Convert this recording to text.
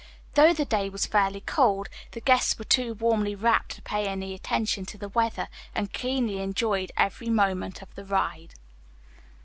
Though the day was fairly cold, the guests were too warmly wrapped to pay any attention to the weather, and keenly enjoyed every moment of the ride.